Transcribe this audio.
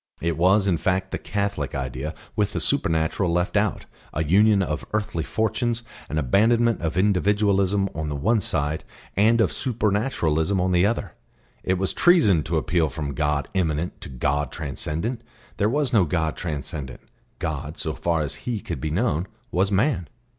It was, in fact, the Catholic idea with the supernatural left out, a union of earthly fortunes, an abandonment of individualism on the one side, and of supernaturalism on the other. It was treason to appeal from God Immanent to God Transcendent; there was no God transcendent; God, so far as He could be known, was man.